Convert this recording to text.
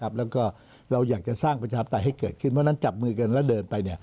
แล้วก็เราอยากจะสร้างประชาปไตยให้เกิดขึ้นเพราะฉะนั้นจับมือกันแล้วเดินไป